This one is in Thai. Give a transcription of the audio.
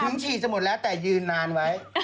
ถึงฉี่จะหมดแล้วแต่ยืนนานไว้